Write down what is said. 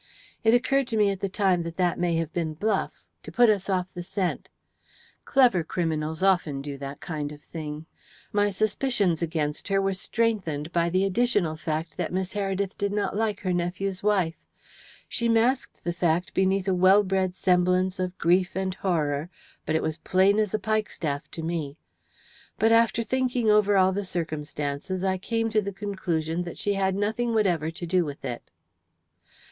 It occurred to me at the time that that may have been bluff to put us off the scent. Clever criminals often do that kind of thing. My suspicions against her were strengthened by the additional fact that Miss Heredith did not like her nephew's wife. She masked the fact beneath a well bred semblance of grief and horror, but it was plain as a pikestaff to me. But, after thinking over all the circumstances, I came to the conclusion that she had nothing whatever to do with it."